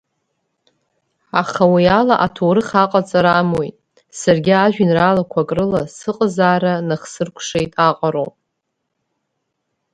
Аха уи ала аҭоурых аҟаҵара амуит, саргьы ажәеинраалақәак рыла сыҟазаара нахсыркәшеит аҟароуп.